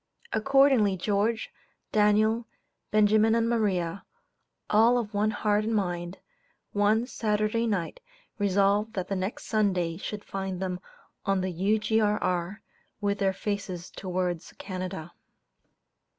Accordingly George, Daniel, Benjamin and Maria, all of one heart and mind, one "Saturday night" resolved that the next Sunday should find them on the U.G.R.R., with their faces towards Canada.